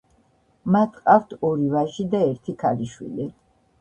მათ ჰყავთ ორი ვაჟი და ერთი ქალიშვილი.